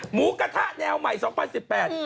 หมูกระทะแนวใหม่๒๐๑๘